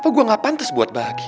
oh gue gak pantas buat bahagia